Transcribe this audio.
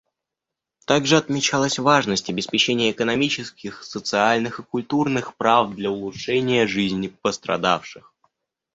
Также отмечалась важность обеспечения экономических, социальных и культурных прав для улучшения жизни пострадавших.